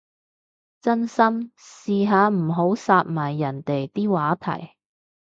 真心，試下唔好殺埋人哋啲話題